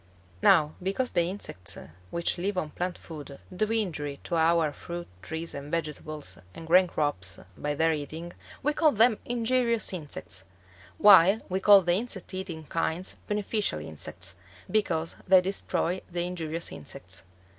Now because the insects which live on plant food do injury to our fruit trees and vegetables and grain crops by their eating, we call them injurious insects; while we call the insect eating kinds beneficial insects, because they destroy the injurious insects.